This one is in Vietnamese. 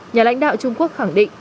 nhà lãnh đạo trung quốc khẳng định